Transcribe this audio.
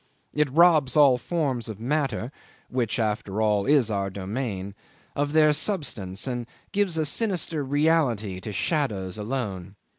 It robs all forms of matter which, after all, is our domain of their substance, and gives a sinister reality to shadows alone.